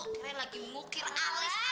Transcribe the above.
keren lagi ngukir alis